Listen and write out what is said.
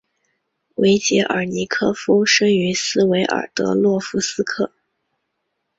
维捷尔尼科夫生于斯维尔德洛夫斯克。